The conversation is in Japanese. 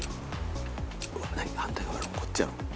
うわっ何反対側のこっちやろ。